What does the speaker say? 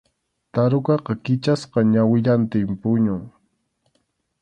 Tarukaqa kichasqa ñawillantin puñun.